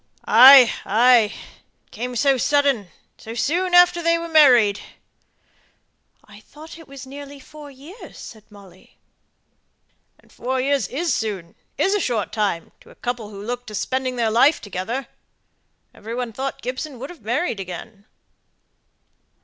"Ay, ay. It came so sudden, so soon after they were married." "I thought it was nearly four years," said Molly. "And four years is soon is a short time to a couple who look to spending their lifetime together. Every one thought Gibson would have married again."